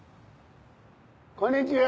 こんにちは！